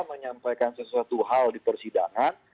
menyampaikan sesuatu hal di persidangan